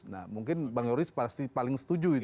nah mungkin bang yoris pasti paling setuju itu